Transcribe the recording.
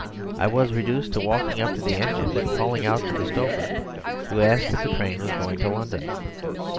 I was reduced to walking up to the engine and calling out to the stoker to ask if the train was going to London.